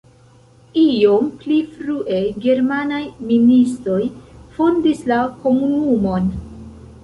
Iom pli frue germanaj ministoj fondis la komunumon.